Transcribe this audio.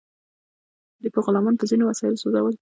دوی به غلامان په ځینو وسایلو سوځول.